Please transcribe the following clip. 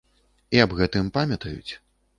І аб гэтым памятаюць.